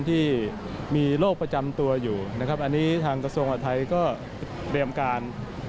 ที่มีโรคประจำตัวอยู่ทางกระทรวงหวัดไทยก็เตรียมการ